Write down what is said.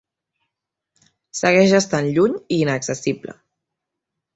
Segueix estant lluny i inaccessible.